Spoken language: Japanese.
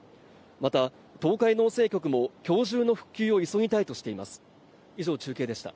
また東海農政局も今日中の復旧を急ぎたいとしています